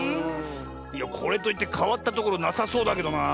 いやこれといってかわったところなさそうだけどなあ。